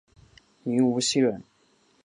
明无锡人。